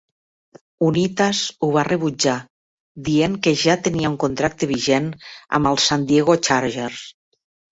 Unitas ho va rebutjar, dient que ja tenia un contracte vigent amb els San Diego Chargers.